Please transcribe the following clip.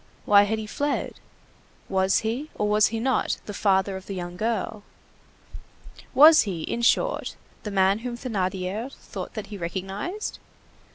Why had he fled? Was he, or was he not, the father of the young girl? Was he, in short, the man whom Thénardier thought that he recognized?